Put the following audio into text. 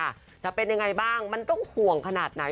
จะเป็นยังไงบ้างมันต้องห่วงขนาดไหน